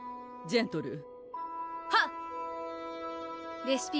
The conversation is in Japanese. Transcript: ジェントルー？